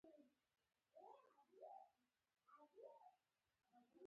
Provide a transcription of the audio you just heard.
هغه ماشومان چې د زوکړې پر مهال یې خاصرې لګن یې نازک وي.